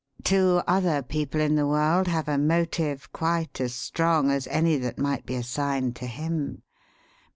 "Two other people in the world have a 'motive' quite as strong as any that might be assigned to him.